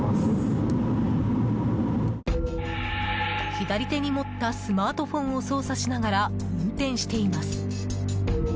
左手に持ったスマートフォンを操作しながら運転しています。